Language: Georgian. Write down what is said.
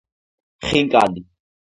ხინკალი